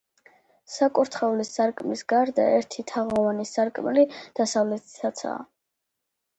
საკურთხევლის სარკმლის გარდა ერთი თაღოვანი სარკმელი დასავლეთითაცაა.